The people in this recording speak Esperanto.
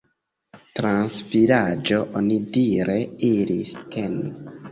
Trans vilaĝo onidire iris tn.